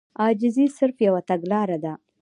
عاجزي صرف يوه تګلاره ده.